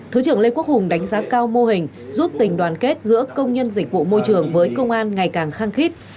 thứ trưởng lê quốc hùng đánh giá cao mô hình giúp tình đoàn kết giữa công nhân dịch vụ môi trường với công an ngày càng khăng khít